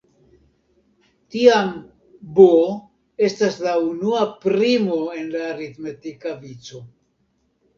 Tiam "b" estas la unua primo en la aritmetika vico.